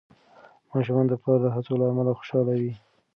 ماشومان د پلار د هڅو له امله خوشحال وي.